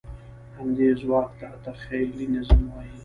همدې ځواک ته تخیلي نظم وایي.